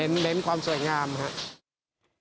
เน้นความสวยงามครับ